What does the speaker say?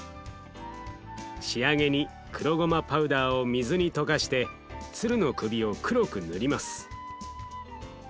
仕上げに黒ごまパウダーを水に溶かして鶴の首を黒く塗ります。